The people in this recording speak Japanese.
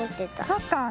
そっかあ。